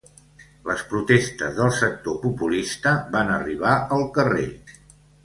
Les protestes del sector populista van arribar al carrer.